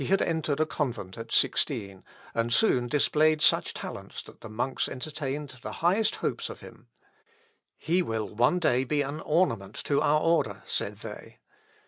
Born in a little town of Alsace, he had entered a convent at sixteen, and soon displayed such talents that the monks entertained the highest hopes of him. "He will one day be an ornament to our order," said they.